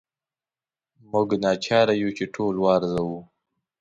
موږ ناچاره یو چې ټول وارزوو.